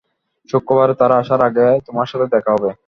শুক্রবারে তারা আসার আগে তোমার সাথে দেখা হবে।